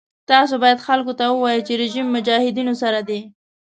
تاسو باید خلکو ته ووایئ چې رژیم مجاهدینو سره دی.